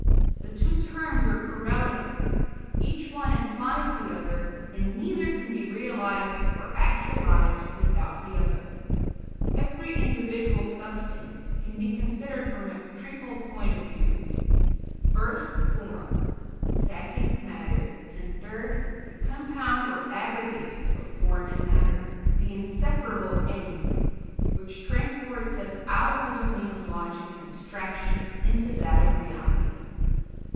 The two terms are correlative; each one implies the other, and neither can be realised or actualised without the other. Every individual substance can be considered from a triple point of view: 1st, form; 2nd, matter; and 3rd, the compound or aggregate of form and matter, the inseparable Ens, which transports us out of the domain of logic and abstraction into that of reality.